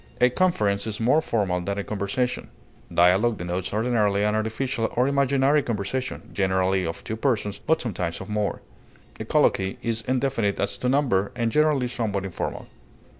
A conference is more formal than a conversation. Dialog denotes ordinarily an artificial or imaginary conversation, generally of two persons, but sometimes of more. A colloquy is indefinite as to number, and generally somewhat informal.